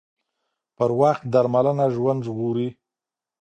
پر وخت درملنه ژوند ژغوري